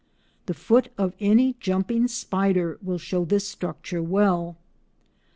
The foot of any jumping spider will show this structure well.